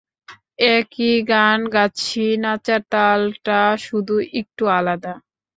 একই গান গাচ্ছি, নাচার তালটা শুধু একটু আলাদা।